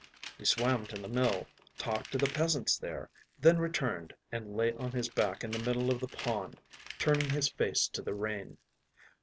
” He swam to the mill, talked to the peasants there, then returned and lay on his back in the middle of the pond, turning his face to the rain.